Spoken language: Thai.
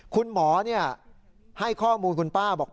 คุณหมอให้ข้อมูลคุณป้าบอก